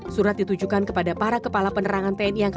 surat ditujukan kepada para kepala penerangan tni yang kembali menerangkan